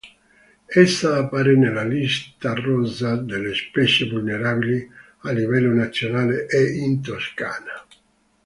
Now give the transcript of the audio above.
Essa appare nella lista rossa delle specie vulnerabili a livello nazionale e in Toscana.